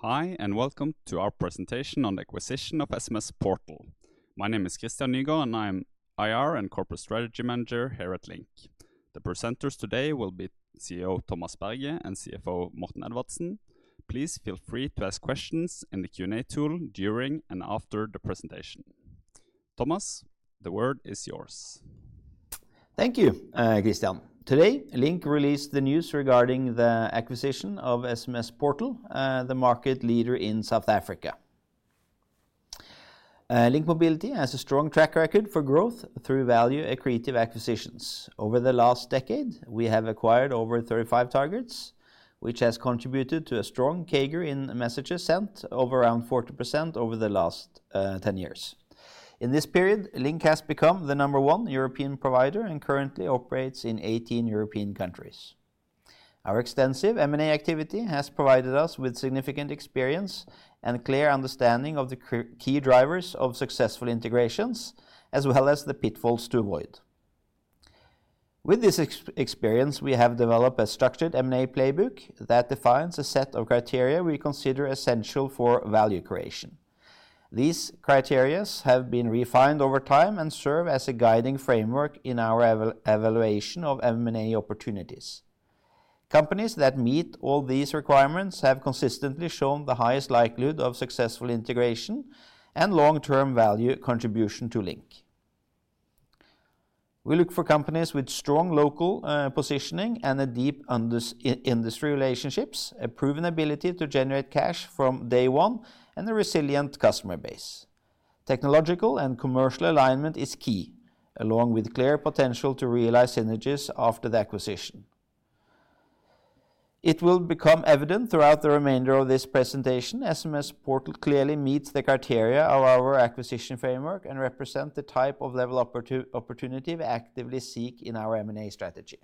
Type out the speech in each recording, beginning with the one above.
Hi, and welcome to our presentation on the acquisition of SMSPortal. My name is Christian Nygaard, and I'm IR and Corporate Strategy Manager here at LINK. The presenters today will be CEO Thomas Berge and CFO Morten Edvardsen. Please feel free to ask questions in the Q&A tool during and after the presentation. Thomas, the word is yours. Thank you, Christian. Today, LINK released the news regarding the acquisition of SMSPortal, the market leader in South Africa. LINK Mobility has a strong track record for growth through value-accretive acquisitions. Over the last decade, we have acquired over 35 targets, which has contributed to a strong CAGR in messages sent, of around 40% over the last 10 years. In this period, LINK has become the number one European provider and currently operates in 18 European countries. Our extensive M&A activity has provided us with significant experience and a clear understanding of the key drivers of successful integrations, as well as the pitfalls to avoid. With this experience, we have developed a structured M&A playbook that defines a set of criteria we consider essential for value creation. These criteria have been refined over time and serve as a guiding framework in our evaluation of M&A opportunities. Companies that meet all these requirements have consistently shown the highest likelihood of successful integration and long-term value contribution to LINK. We look for companies with strong local positioning and deep industry relationships, a proven ability to generate cash from day one, and a resilient customer base. Technological and commercial alignment is key, along with clear potential to realize synergies after the acquisition. It will become evident throughout the remainder of this presentation that SMSPortal clearly meets the criteria of our acquisition framework and represents the type of level of opportunity we actively seek in our M&A strategy.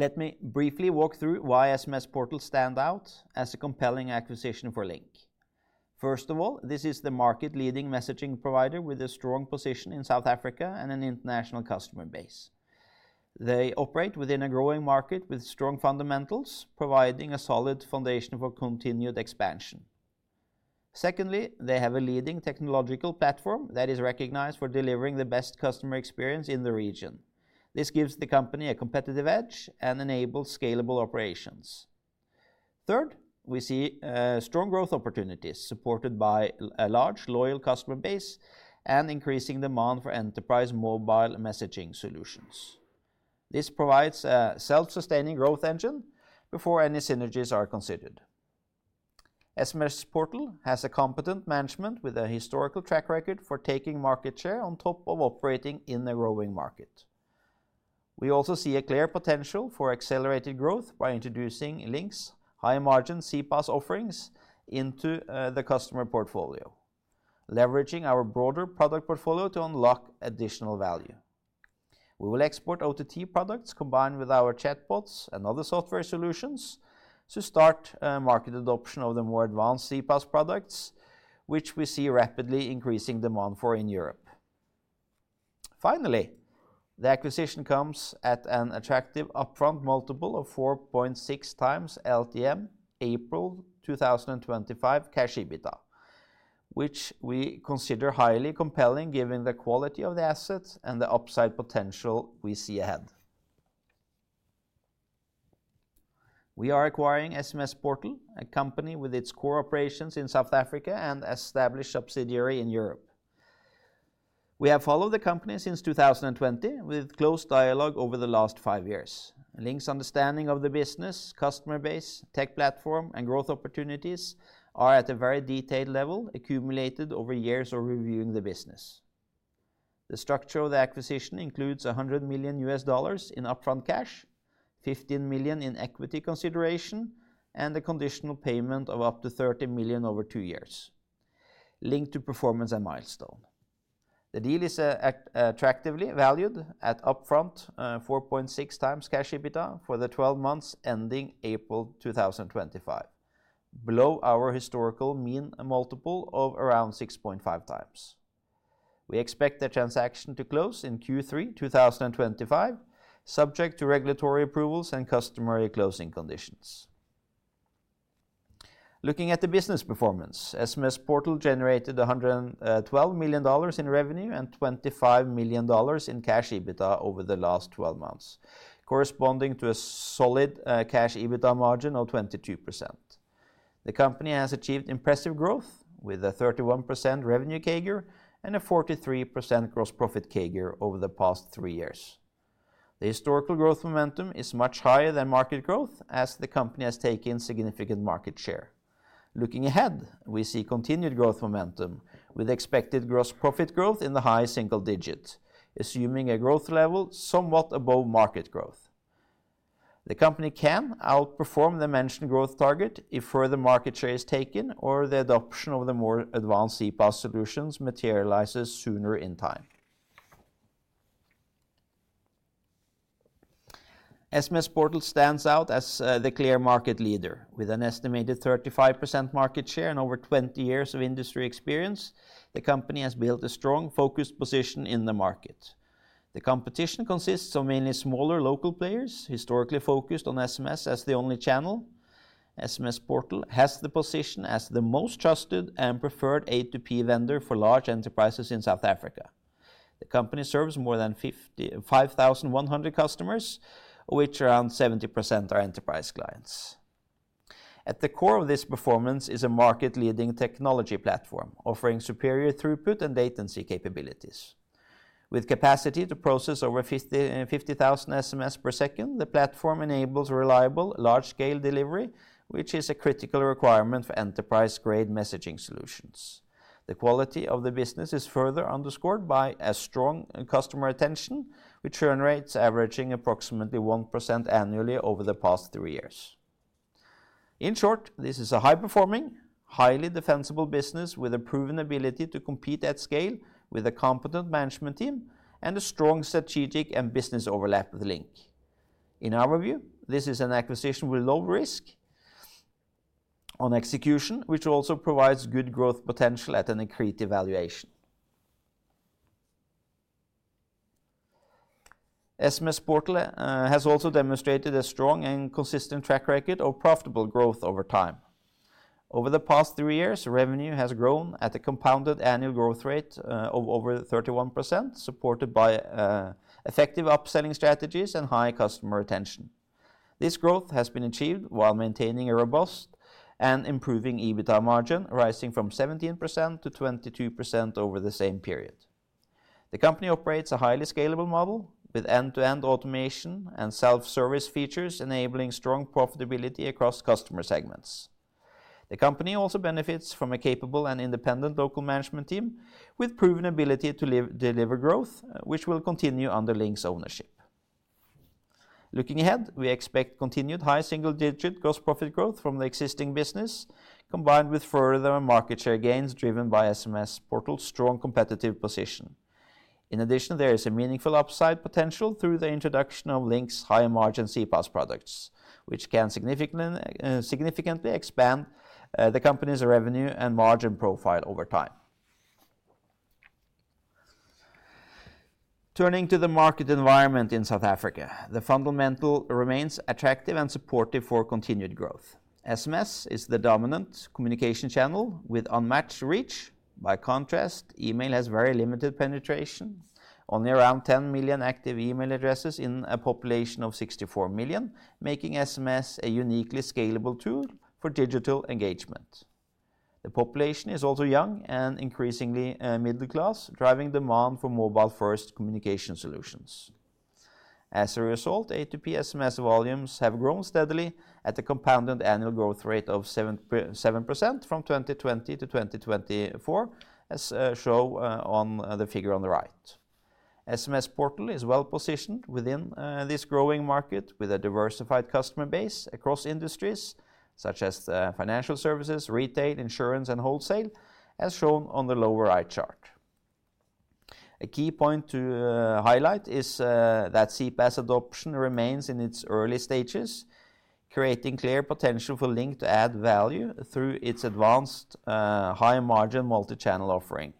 Let me briefly walk through why SMSPortal stands out as a compelling acquisition for LINK. First of all, this is the market-leading messaging provider with a strong position in South Africa and an international customer base. They operate within a growing market with strong fundamentals, providing a solid foundation for continued expansion. Secondly, they have a leading technological platform that is recognized for delivering the best customer experience in the region. This gives the company a competitive edge and enables scalable operations. Third, we see strong growth opportunities supported by a large, loyal customer base and increasing demand for enterprise mobile messaging solutions. This provides a self-sustaining growth engine before any synergies are considered. SMSPortal has a competent management with a historical track record for taking market share on top of operating in a growing market. We also see a clear potential for accelerated growth by introducing LINK's high-margin CPaaS offerings into the customer portfolio, leveraging our broader product portfolio to unlock additional value. We will export OTT products combined with our chatbots and other software solutions to start market adoption of the more advanced CPaaS products, which we see rapidly increasing demand for in Europe. Finally, the acquisition comes at an attractive upfront multiple of 4.6x LTM April 2025 cash EBITDA, which we consider highly compelling given the quality of the asset and the upside potential we see ahead. We are acquiring SMSPortal, a company with its core operations in South Africa and established subsidiary in Europe. We have followed the company since 2020 with close dialogue over the last five years. LINK's understanding of the business, customer base, tech platform, and growth opportunities are at a very detailed level accumulated over years of reviewing the business. The structure of the acquisition includes $100 million in upfront cash, $15 million in equity consideration, and a conditional payment of up to $30 million over two years, linked to performance and milestone. The deal is attractively valued at upfront 4.6x cash EBITDA for the 12 months ending April 2025, below our historical mean multiple of around 6.5x. We expect the transaction to close in Q3 2025, subject to regulatory approvals and customer closing conditions. Looking at the business performance, SMSPortal generated $112 million in revenue and $25 million in cash EBITDA over the last 12 months, corresponding to a solid cash EBITDA margin of 22%. The company has achieved impressive growth with a 31% revenue CAGR and a 43% gross profit CAGR over the past three years. The historical growth momentum is much higher than market growth, as the company has taken significant market share. Looking ahead, we see continued growth momentum with expected gross profit growth in the high single digit, assuming a growth level somewhat above market growth. The company can outperform the mentioned growth target if further market share is taken or the adoption of the more advanced CPaaS solutions materializes sooner in time. SMSPortal stands out as the clear market leader. With an estimated 35% market share and over 20 years of industry experience, the company has built a strong, focused position in the market. The competition consists of mainly smaller local players historically focused on SMS as the only channel. SMSPortal has the position as the most trusted and preferred A2P vendor for large enterprises in South Africa. The company serves more than 5,100 customers, of which around 70% are enterprise clients. At the core of this performance is a market-leading technology platform offering superior throughput and latency capabilities. With capacity to process over 50,000 SMS per second, the platform enables reliable, large-scale delivery, which is a critical requirement for enterprise-grade messaging solutions. The quality of the business is further underscored by strong customer retention, with churn rates averaging approximately 1% annually over the past three years. In short, this is a high-performing, highly defensible business with a proven ability to compete at scale with a competent management team and a strong strategic and business overlap with LINK. In our view, this is an acquisition with low risk on execution, which also provides good growth potential at an accretive valuation. SMSPortal has also demonstrated a strong and consistent track record of profitable growth over time. Over the past three years, revenue has grown at a compounded annual growth rate of over 31%, supported by effective upselling strategies and high customer retention. This growth has been achieved while maintaining a robust and improving EBITDA margin, rising from 17% to 22% over the same period. The company operates a highly scalable model with end-to-end automation and self-service features, enabling strong profitability across customer segments. The company also benefits from a capable and independent local management team with proven ability to deliver growth, which will continue under LINK's ownership. Looking ahead, we expect continued high single-digit gross profit growth from the existing business, combined with further market share gains driven by SMSPortal's strong competitive position. In addition, there is a meaningful upside potential through the introduction of LINK's high-margin CPaaS products, which can significantly expand the company's revenue and margin profile over time. Turning to the market environment in South Africa, the fundamental remains attractive and supportive for continued growth. SMS is the dominant communication channel with unmatched reach. By contrast, email has very limited penetration, only around 10 million active email addresses in a population of 64 million, making SMS a uniquely scalable tool for digital engagement. The population is also young and increasingly middle-class, driving demand for mobile-first communication solutions. As a result, A2P SMS volumes have grown steadily at a compounded annual growth rate of 7% from 2020 to 2024, as shown on the figure on the right. SMSPortal is well-positioned within this growing market with a diversified customer base across industries such as financial services, retail, insurance, and wholesale, as shown on the lower right chart. A key point to highlight is that CPaaS adoption remains in its early stages, creating clear potential for LINK to add value through its advanced high-margin multi-channel offering.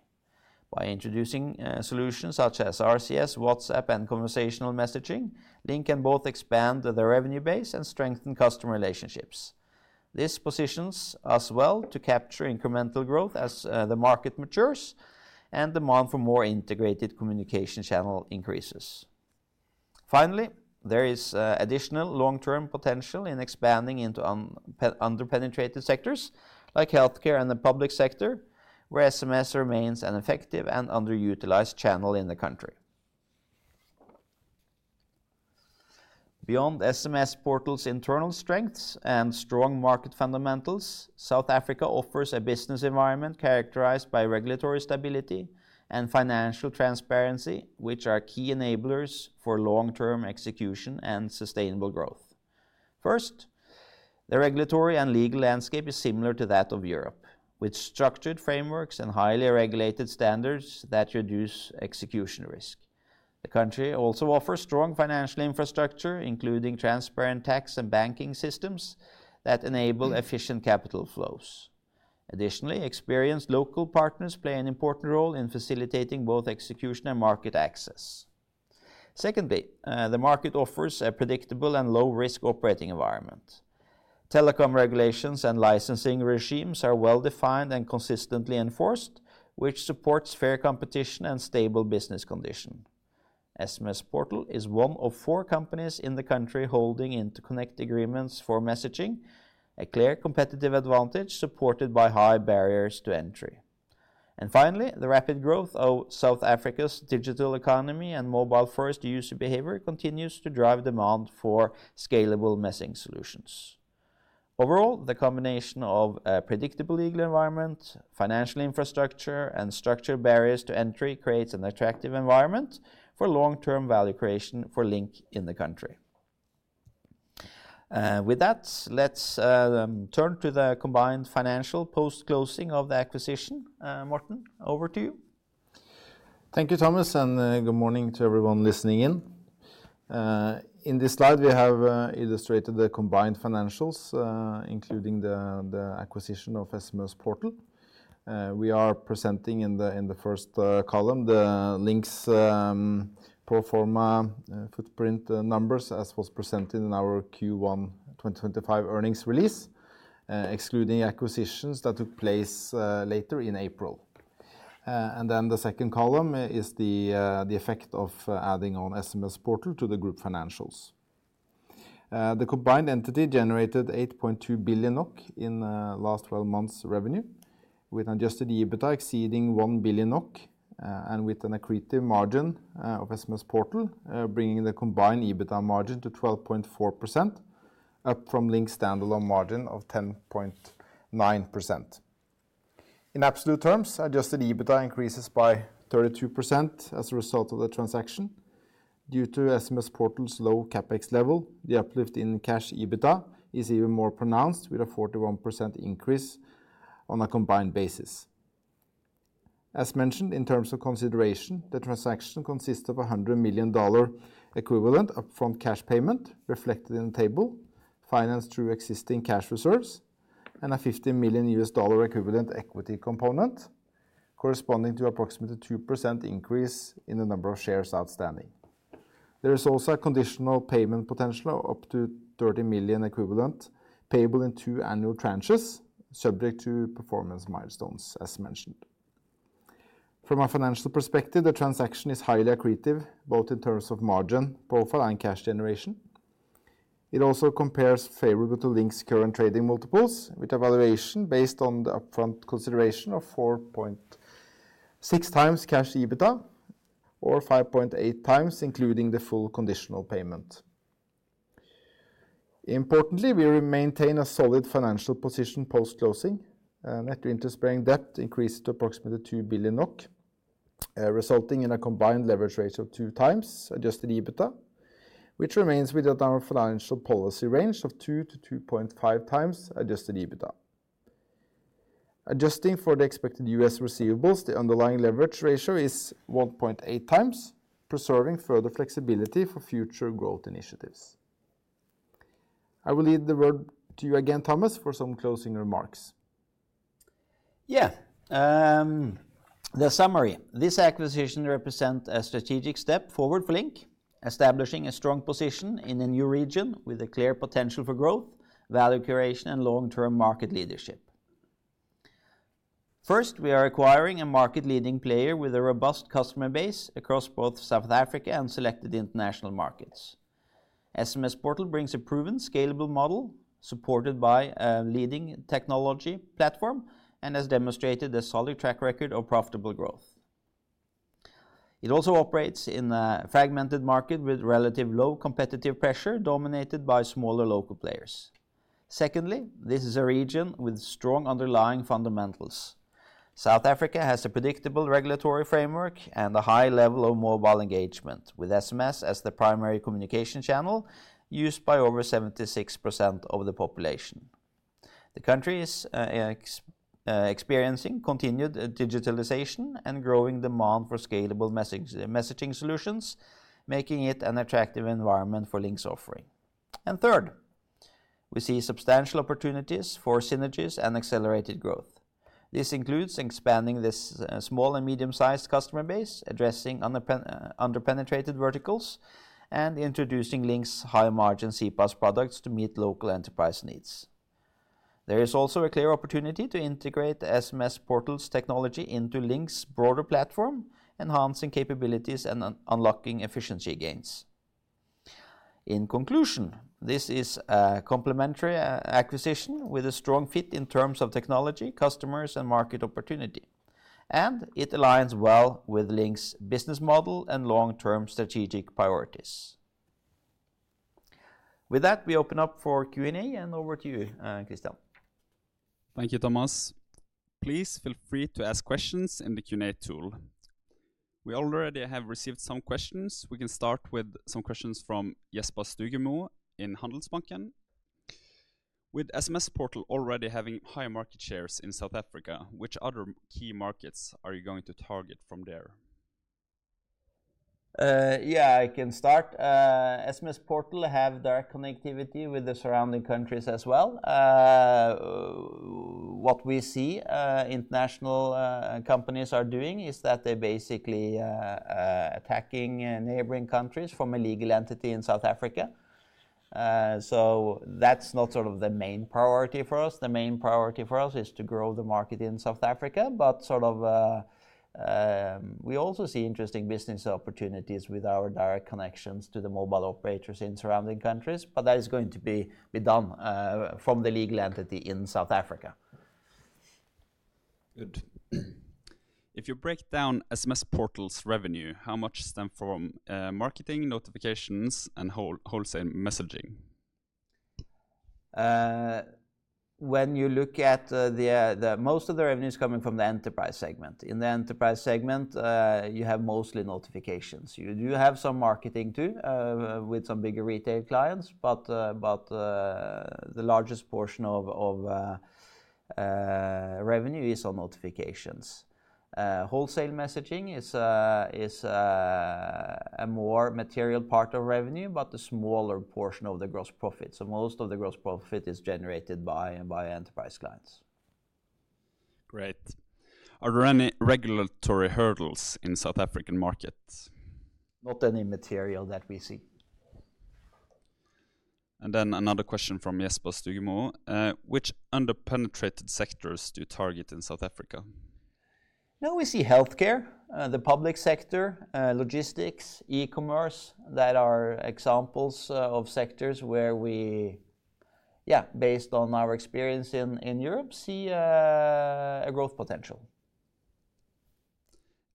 By introducing solutions such as RCS, WhatsApp, and conversational messaging, LINK can both expand the revenue base and strengthen customer relationships. This positions us well to capture incremental growth as the market matures and demand for more integrated communication channels increases. Finally, there is additional long-term potential in expanding into under-penetrated sectors like healthcare and the public sector, where SMS remains an effective and underutilized channel in the country. Beyond SMSPortal's internal strengths and strong market fundamentals, South Africa offers a business environment characterized by regulatory stability and financial transparency, which are key enablers for long-term execution and sustainable growth. First, the regulatory and legal landscape is similar to that of Europe, with structured frameworks and highly regulated standards that reduce execution risk. The country also offers strong financial infrastructure, including transparent tax and banking systems that enable efficient capital flows. Additionally, experienced local partners play an important role in facilitating both execution and market access. Secondly, the market offers a predictable and low-risk operating environment. Telecom regulations and licensing regimes are well-defined and consistently enforced, which supports fair competition and stable business conditions. SMSPortal is one of four companies in the country holding interconnect agreements for messaging, a clear competitive advantage supported by high barriers to entry. Finally, the rapid growth of South Africa's digital economy and mobile-first user behavior continues to drive demand for scalable messaging solutions. Overall, the combination of a predictable legal environment, financial infrastructure, and structured barriers to entry creates an attractive environment for long-term value creation for LINK in the country. With that, let's turn to the combined financial post-closing of the acquisition. Morten, over to you. Thank you, Thomas, and good morning to everyone listening in. In this slide, we have illustrated the combined financials, including the acquisition of SMSPortal. We are presenting in the first column the LINK's pro forma footprint numbers, as was presented in our Q1 2025 earnings release, excluding acquisitions that took place later in April. The second column is the effect of adding on SMSPortal to the group financials. The combined entity generated 8.2 billion NOK in last 12 months' revenue, with an adjusted EBITDA exceeding 1 billion NOK and with an accretive margin of SMSPortal, bringing the combined EBITDA margin to 12.4%, up from LINK's standalone margin of 10.9%. In absolute terms, adjusted EBITDA increases by 32% as a result of the transaction. Due to SMSPortal's low CapEx level, the uplift in cash EBITDA is even more pronounced with a 41% increase on a combined basis. As mentioned, in terms of consideration, the transaction consists of a $100 million equivalent upfront cash payment reflected in the table, financed through existing cash reserves, and a $15 million equivalent equity component, corresponding to an approximate 2% increase in the number of shares outstanding. There is also a conditional payment potential of up to $30 million equivalent payable in two annual tranches, subject to performance milestones, as mentioned. From a financial perspective, the transaction is highly accretive, both in terms of margin profile and cash generation. It also compares favorably to LINK's current trading multiples, with a valuation based on the upfront consideration of 4.6x cash EBITDA or 5.8x, including the full conditional payment. Importantly, we maintain a solid financial position post-closing. Net interest-bearing debt increased to approximately 2 billion NOK, resulting in a combined leverage ratio of 2x adjusted EBITDA, which remains within our financial policy range of 2-2.5x adjusted EBITDA. Adjusting for the expected U.S. receivables, the underlying leverage ratio is 1.8x, preserving further flexibility for future growth initiatives. I will leave the word to you again, Thomas, for some closing remarks. Yeah, the summary. This acquisition represents a strategic step forward for LINK, establishing a strong position in a new region with a clear potential for growth, value creation, and long-term market leadership. First, we are acquiring a market-leading player with a robust customer base across both South Africa and selected international markets. SMSPortal brings a proven, scalable model supported by a leading technology platform and has demonstrated a solid track record of profitable growth. It also operates in a fragmented market with relatively low competitive pressure dominated by smaller local players. Secondly, this is a region with strong underlying fundamentals. South Africa has a predictable regulatory framework and a high level of mobile engagement, with SMS as the primary communication channel used by over 76% of the population. The country is experiencing continued digitalization and growing demand for scalable messaging solutions, making it an attractive environment for LINK's offering. Third, we see substantial opportunities for synergies and accelerated growth. This includes expanding this small and medium-sized customer base, addressing under-penetrated verticals, and introducing LINK's high-margin CPaaS products to meet local enterprise needs. There is also a clear opportunity to integrate SMSPortal's technology into LINK's broader platform, enhancing capabilities and unlocking efficiency gains. In conclusion, this is a complementary acquisition with a strong fit in terms of technology, customers, and market opportunity, and it aligns well with LINK's business model and long-term strategic priorities. With that, we open up for Q&A, and over to you, Christian. Thank you, Thomas. Please feel free to ask questions in the Q&A tool. We already have received some questions. We can start with some questions from Jesper Stygemo in Handelsbanken. With SMSPortal already having high market shares in South Africa, which other key markets are you going to target from there? Yeah, I can start. SMSPortal has direct connectivity with the surrounding countries as well. What we see international companies are doing is that they're basically attacking neighboring countries from a legal entity in South Africa. That is not sort of the main priority for us. The main priority for us is to grow the market in South Africa, but we also see interesting business opportunities with our direct connections to the mobile operators in surrounding countries. That is going to be done from the legal entity in South Africa. Good. If you break down SMSPortal's revenue, how much stems from marketing, notifications, and wholesale messaging? When you look at most of the revenue, it is coming from the enterprise segment. In the enterprise segment, you have mostly notifications. You do have some marketing too with some bigger retail clients, but the largest portion of revenue is on notifications. Wholesale messaging is a more material part of revenue, but a smaller portion of the gross profit. Most of the gross profit is generated by enterprise clients. Great. Are there any regulatory hurdles in the South African market? Not any material that we see. Another question from Jesper Stygemo. Which under-penetrated sectors do you target in South Africa? Now we see healthcare, the public sector, logistics, e-commerce. Those are examples of sectors where we, yeah, based on our experience in Europe, see a growth potential.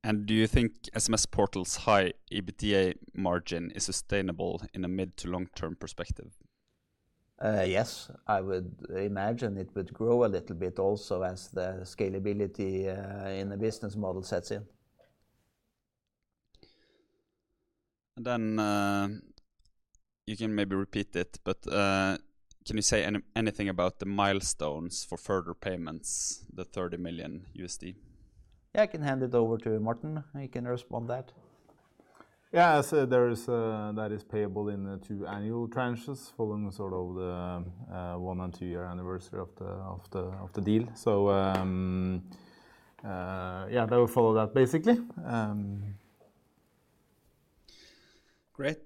Do you think SMSPortal's high EBITDA margin is sustainable in a mid- to long-term perspective? Yes, I would imagine it would grow a little bit also as the scalability in the business model sets in. You can maybe repeat it, but can you say anything about the milestones for further payments, the $30 million? Yeah, I can hand it over to Morten. He can respond to that. Yeah, it is payable in two annual tranches following sort of the one and two-year anniversary of the deal. That will follow that basically. Great.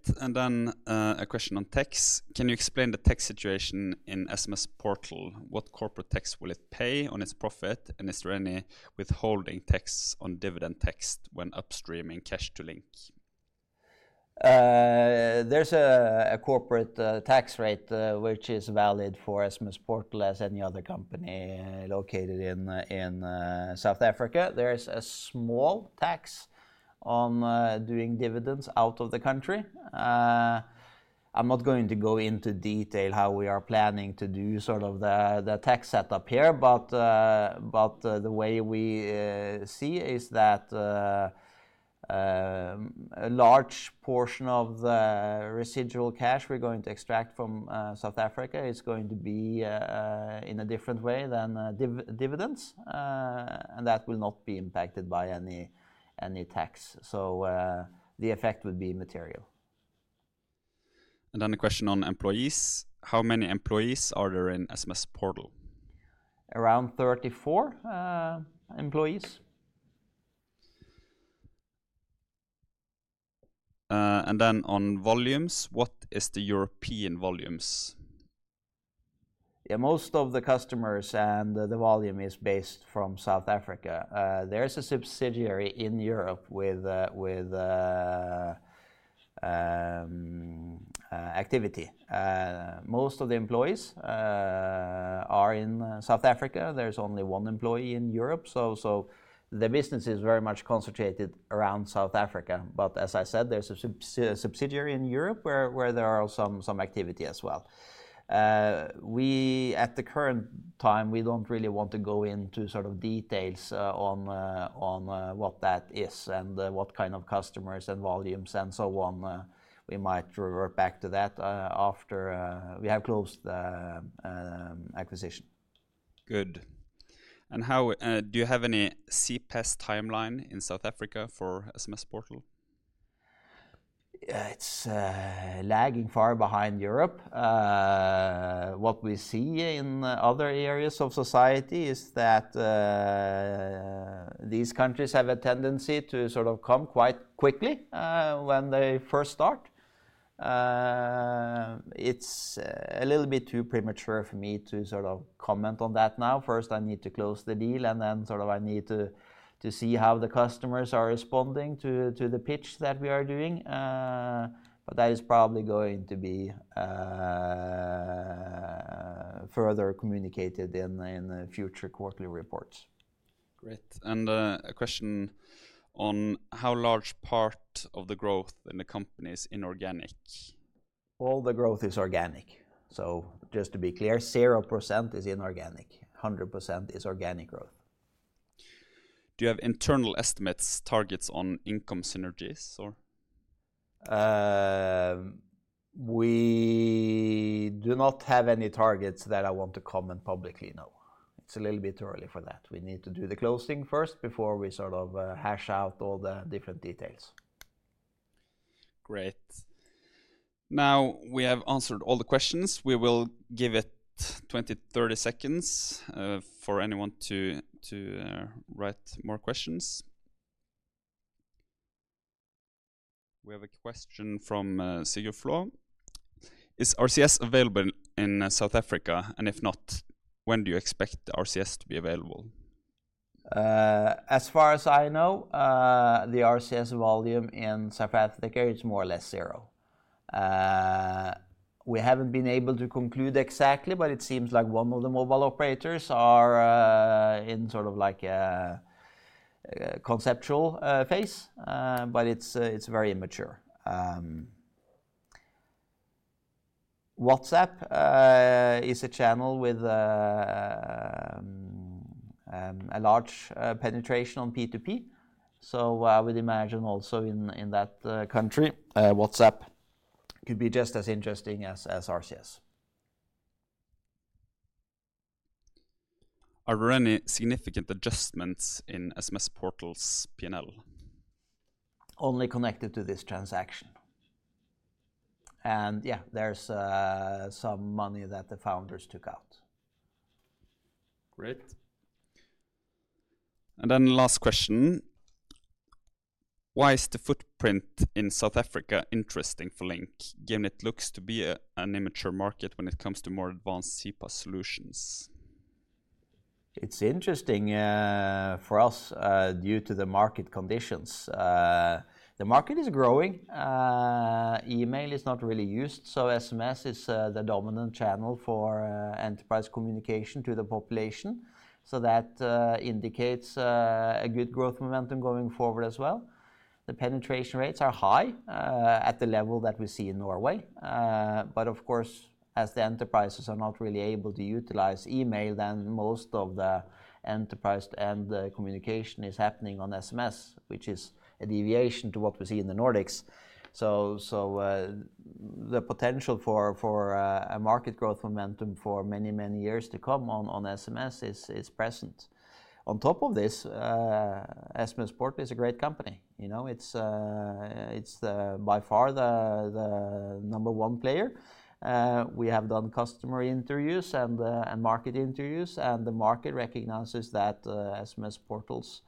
A question on tax. Can you explain the tax situation in SMSPortal? What corporate tax will it pay on its profit, and is there any withholding tax on dividend tax when upstreaming cash to LINK? There is a corporate tax rate which is valid for SMSPortal as any other company located in South Africa. There is a small tax on doing dividends out of the country. I'm not going to go into detail how we are planning to do sort of the tax setup here, but the way we see is that a large portion of the residual cash we're going to extract from South Africa is going to be in a different way than dividends, and that will not be impacted by any tax. The effect would be material. A question on employees. How many employees are there in SMSPortal? Around 34 employees. On volumes, what is the European volumes? Most of the customers and the volume is based from South Africa. There's a subsidiary in Europe with activity. Most of the employees are in South Africa. There's only one employee in Europe. The business is very much concentrated around South Africa. As I said, there's a subsidiary in Europe where there is some activity as well. At the current time, we do not really want to go into details on what that is and what kind of customers and volumes and so on. We might revert back to that after we have closed the acquisition. Good. Do you have any CPaaS timeline in South Africa for SMSPortal? Yeah, it's lagging far behind Europe. What we see in other areas of society is that these countries have a tendency to come quite quickly when they first start. It's a little bit too premature for me to comment on that now. First, I need to close the deal, and then I need to see how the customers are responding to the pitch that we are doing. That is probably going to be further communicated in future quarterly reports. Great. A question on how large part of the growth in the company is inorganic. All the growth is organic. Just to be clear, 0% is inorganic. 100% is organic growth. Do you have internal estimates, targets on income synergies? We do not have any targets that I want to comment publicly, no. It's a little bit early for that. We need to do the closing first before we sort of hash out all the different details. Great. Now we have answered all the questions. We will give it 20-30 seconds for anyone to write more questions. We have a question from Sigurflór. Is RCS available in South Africa? If not, when do you expect RCS to be available? As far as I know, the RCS volume in South Africa is more or less zero. We haven't been able to conclude exactly, but it seems like one of the mobile operators is in sort of like a conceptual phase, but it's very immature. WhatsApp is a channel with a large penetration on P2P. I would imagine also in that country, WhatsApp could be just as interesting as RCS. Are there any significant adjustments in SMSPortal's P&L? Only connected to this transaction. Yeah, there's some money that the founders took out. Great. Last question. Why is the footprint in South Africa interesting for LINK, given it looks to be an immature market when it comes to more advanced CPaaS solutions? It's interesting for us due to the market conditions. The market is growing. Email is not really used, so SMS is the dominant channel for enterprise communication to the population. That indicates a good growth momentum going forward as well. The penetration rates are high at the level that we see in Norway. Of course, as the enterprises are not really able to utilize email, then most of the enterprise and communication is happening on SMS, which is a deviation to what we see in the Nordics. The potential for a market growth momentum for many, many years to come on SMS is present. On top of this, SMSPortal is a great company. It is by far the number one player. We have done customer interviews and market interviews, and the market recognizes that SMSPortal's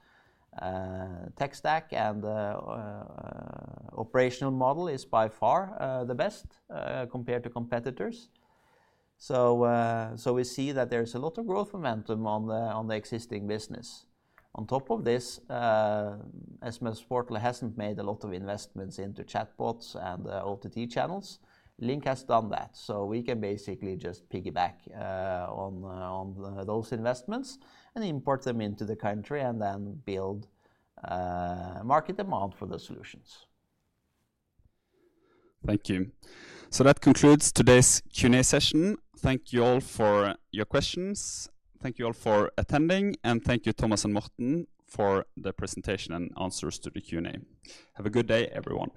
tech stack and operational model is by far the best compared to competitors. We see that there's a lot of growth momentum on the existing business. On top of this, SMSPortal hasn't made a lot of investments into chatbots and OTT channels. LINK has done that. We can basically just piggyback on those investments and import them into the country and then build market demand for the solutions. Thank you. That concludes today's Q&A session. Thank you all for your questions. Thank you all for attending, and thank you, Thomas and Morten, for the presentation and answers to the Q&A. Have a good day, everyone.